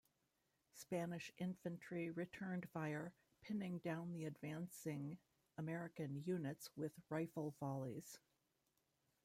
Spanish infantry returned fire, pinning down the advancing American units with rifle volleys.